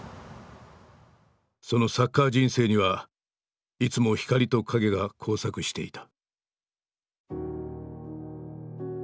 そのサッカー人生にはいつも光と影が交錯していた。